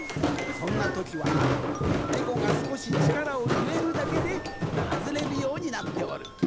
そんなときはなネコがすこしちからをいれるだけではずれるようになっておる。